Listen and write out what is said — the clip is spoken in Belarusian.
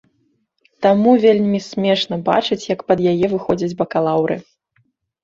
Таму вельмі смешна бачыць, як пад яе выходзяць бакалаўры.